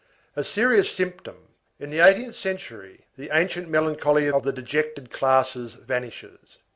A serious symptom. In the eighteenth century, the ancient melancholy of the dejected classes vanishes.